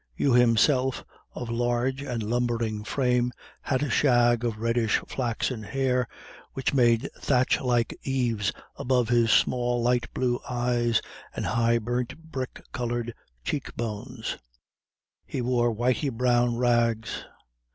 Hugh himself, of large and lumbering frame, had a shag of reddish flaxen hair, which made thatch like eaves above his small, light blue eyes and high burnt brick coloured cheek bones. He wore whitey brown rags.